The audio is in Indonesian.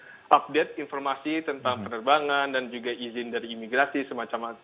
dan update informasi tentang penerbangan dan juga izin dari imigrasi semacamnya